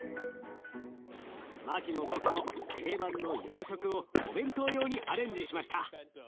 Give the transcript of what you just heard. マキも僕も定番の洋食をお弁当用にアレンジしました。